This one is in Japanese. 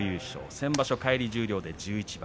先場所返り十両で１１番。